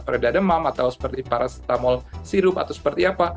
pada demam atau seperti paracetamol sirup atau seperti apa